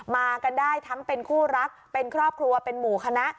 มากันได้ทั้งเป็นคู่รักเป็นครอบครัวเป็นหมู่คณะ